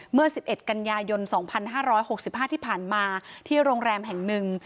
เมื่อ๑๑กันยายน๒๕๖๕ที่ผ่านมาที่โรงแรมแห่งหนึ่ง